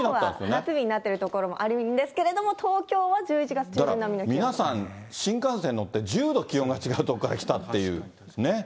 夏日になっている所もあるんですけれども、東京は１１月中旬だから皆さん、新幹線乗って、１０度気温が違う所から来たっていうね。